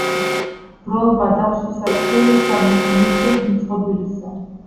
ბროლ-ბადახშისა თლილისა, მის მიჯრით მიწყობილისა.